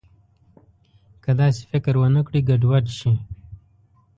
که داسې فکر ونه کړي، ګډوډ شي.